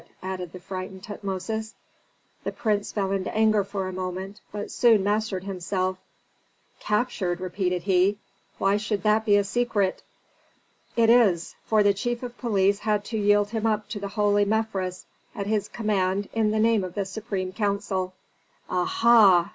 added the frightened Tutmosis. The prince fell into anger for a moment, but soon mastered himself. "Captured?" repeated he. "Why should that be a secret?" "It is, for the chief of police had to yield him up to the holy Mefres at his command in the name of the supreme council." "Aha!